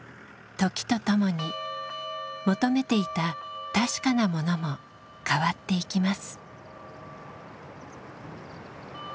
時とともに求めていた「確かなもの」も変わっていきます。